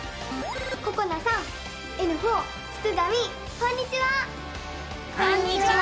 こんにちは！